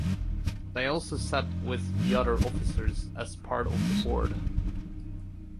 They also sat with the other officers as part of the board.